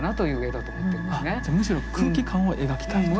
じゃむしろ空気感を描きたいと。